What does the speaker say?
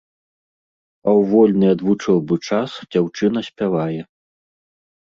А ў вольны ад вучобы час дзяўчына спявае.